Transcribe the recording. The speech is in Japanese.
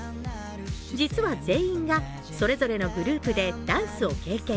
実は全員がそれぞれのグループでダンスを経験。